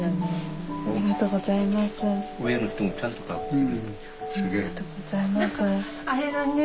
ありがとうございます。